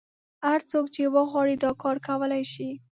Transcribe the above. هر څوک چې وغواړي دا کار کولای شي.